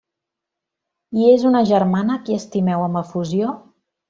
-I és una germana a qui estimeu amb efusió?